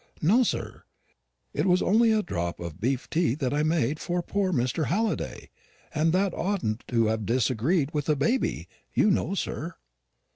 "No, sir; it was only a drop of beef tea that I made for poor Mr. Halliday. And that oughtn't to have disagreed with a baby, you know, sir."